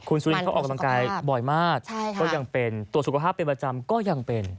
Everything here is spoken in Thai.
คุณสุรินเขาออกกำลังกายบ่อยมากก็ยังเป็นตรวจสุขภาพเป็นประจำก็ยังเป็น